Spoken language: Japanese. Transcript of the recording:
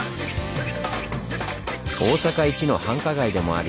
大阪一の繁華街でもあり